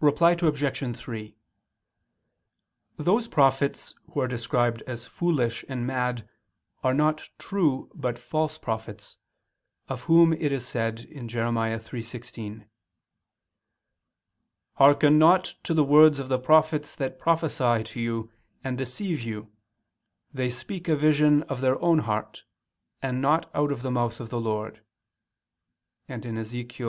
Reply Obj. 3: Those prophets who are described as foolish and mad are not true but false prophets, of whom it is said (Jer. 3:16): "Hearken not to the words of the prophets that prophesy to you, and deceive you; they speak a vision of their own heart, and not out of the mouth of the Lord," and (Ezech.